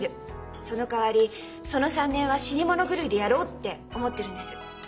そのかわりその３年は死に物狂いでやろうって思ってるんです。